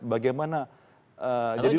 bagaimana jadi lucu